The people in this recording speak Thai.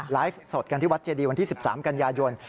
ไลฟ์สดกันที่วัดเจดีวันที่๑๓กันยายน